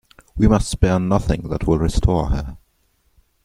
We must spare nothing that will restore her.